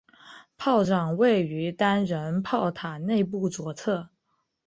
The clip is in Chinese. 炮长位于单人炮塔内部左侧。